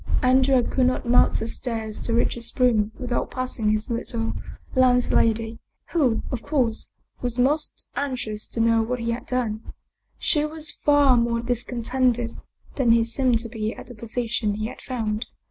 Andrea could not mount the stairs to reach his room without passing his little landlady, who, of course, was most anxious to know what he had done. She was far more discontented than he seemed to be at the position he had found.